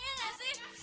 iya gak sih